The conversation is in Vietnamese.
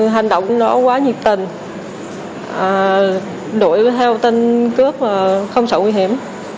hành động nó quá nhiệt tình đuổi theo tên cướp không sợ nguy hiểm